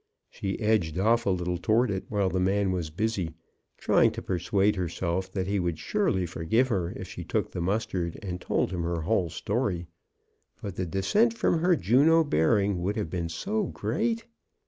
She edged off a little toward it while the man was busy, trying to persuade herself that he would surely forgive her if she took the mustard and told him her whole story. But the descent from her Juno bearing would have been so great